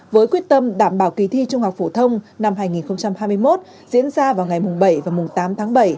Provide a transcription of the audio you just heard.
với quyết tâm đảm bảo kỳ thi trung học phổ thông năm hai nghìn hai mươi một diễn ra vào ngày bảy và tám tháng bảy